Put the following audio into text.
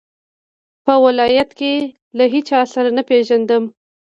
په یاد ولایت کې له هیچا سره نه پېژندم.